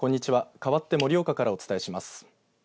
かわって盛岡からお伝えします。